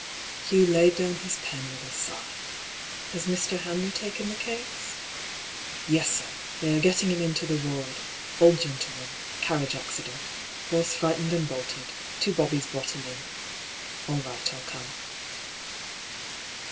Hugh laid down his pen with a sigh. " Has Mr. Hamley t^ken the case ?"" Yes, sir. They are getting him into the ward. Old gentleman — carriage accident. Horse frightened and bolted. Two bobbies brought him in." " All right, I'll come."